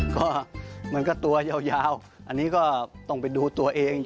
ก็มันก็ตัวยาวอันนี้ก็ต้องไปดูตัวเอง